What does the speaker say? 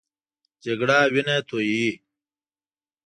جګړه وینه تویوي